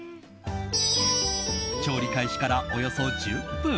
調理開始からおよそ１０分。